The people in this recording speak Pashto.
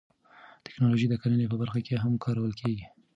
تکنالوژي د کرنې په برخه کې هم کارول کیږي.